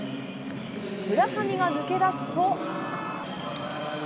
村上が抜け出すと。